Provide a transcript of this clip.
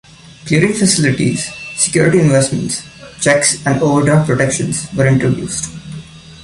Clearing facilities, security investments, cheques and overdraft protections were introduced.